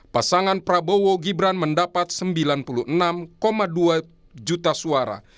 pasangan prabowo gibran mendapat sembilan puluh enam dua juta suara